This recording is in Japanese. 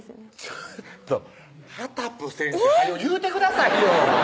ちょっとはたぷ先生早よ言うてくださいよ！